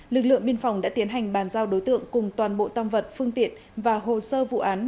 lực lượng biên phòng đã tiến hành bàn giao đối tượng cùng toàn bộ tâm vật phương tiện và hồ sơ vụ án